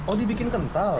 oh dibikin kental